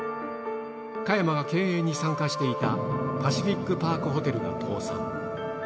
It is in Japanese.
加山が経営に参加していた、パシフィックパークホテルが倒産。